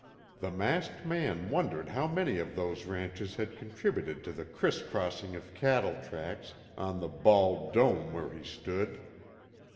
The masked man wondered how many of those ranches had contributed to the crisscrossing of cattle tracks on the bald dome where he stood.